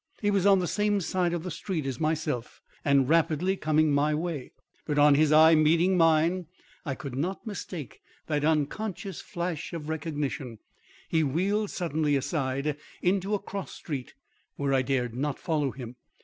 He was on the same side of the street as myself and rapidly coming my way, but on his eye meeting mine I could not mistake that unconscious flash of recognition he wheeled suddenly aside into a cross street where I dared not follow him.